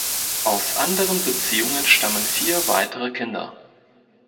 Aus anderen Beziehungen stammen vier weitere Kinder.